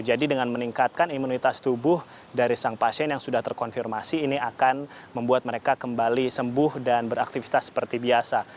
jadi dengan meningkatkan imunitas tubuh dari sang pasien yang sudah terkonfirmasi ini akan membuat mereka kembali sembuh dan beraktivitas seperti biasa